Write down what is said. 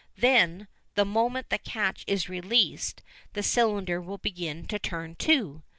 Then, the moment the catch is released the cylinder will begin to turn too.